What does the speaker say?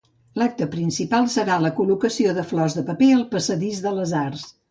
L'acte principal serà la col·locació de flors de paper al Passadís de les Arts.